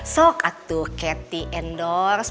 sok ratu keti endorse